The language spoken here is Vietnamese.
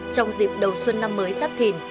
trong dịp đầu xuân năm mới sắp thìn